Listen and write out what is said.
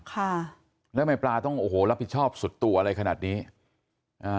ค่ะแล้วไม่ปลาต้องโอ้โหรับผิดชอบสุดตัวอะไรขนาดนี้อ่า